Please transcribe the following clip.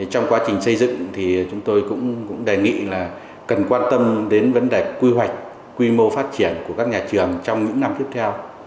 trong quá trình xây dựng thì chúng tôi cũng đề nghị là cần quan tâm đến vấn đề quy hoạch quy mô phát triển của các nhà trường trong những năm tiếp theo